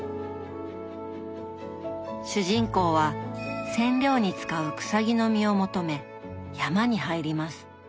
主人公は染料に使う「くさぎの実」を求め山に入ります。